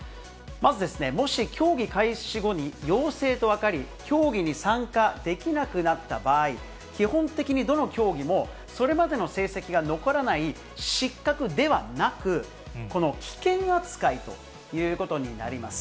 まずですね、もし競技開始後に陽性と分かり、競技に参加できなくなった場合、基本的に、どの競技も、それまでの成績が残らない失格ではなく、この棄権扱いということになります。